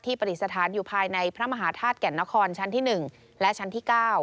ปฏิสถานอยู่ภายในพระมหาธาตุแก่นนครชั้นที่๑และชั้นที่๙